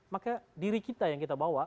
maka diri kita yang kita bawa